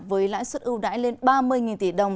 với lãi suất ưu đãi lên ba mươi tỷ đồng